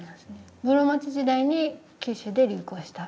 室町時代に九州で流行した。